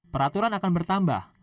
peraturan akan bertambah